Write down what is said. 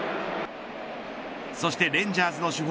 そしてレンジャーズの主砲